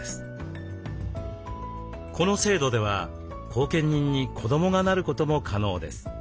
この制度では後見人に子どもがなることも可能です。